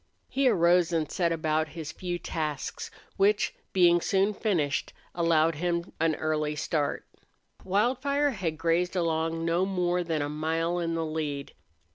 He arose and set about his few tasks, which, being soon finished, allowed him an early start. Wildfire had grazed along no more than a mile in the lead.